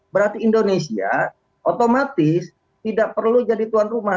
berarti indonesia otomatis tidak perlu jadi tuan rumah